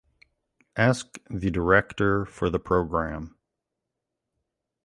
Ask the Director for the program.